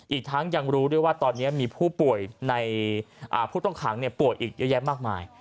อีกทั้งยังรู้ด้วยว่าตอนนี้มีผู้ป่วยในผู้ต้องขังป่วยอีกเยอะแยะมากมาย